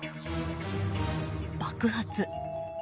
爆発。